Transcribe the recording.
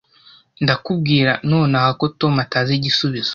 Ndakubwira nonaha ko Tom atazi igisubizo